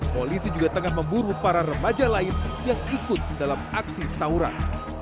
polisi juga tengah memburu para remaja lain yang ikut dalam aksi tawuran